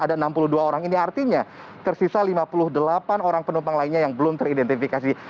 ada enam puluh dua orang ini artinya tersisa lima puluh delapan orang penumpang lainnya yang belum teridentifikasi